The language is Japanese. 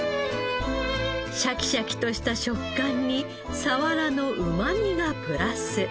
シャキシャキとした食感にサワラのうまみがプラス。